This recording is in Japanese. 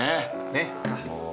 ねっ。